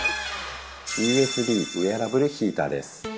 ＵＳＢウェアラブルヒーター